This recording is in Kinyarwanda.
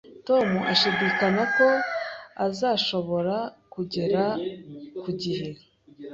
Tom ashidikanya ko azashobora kuhagera ku gihe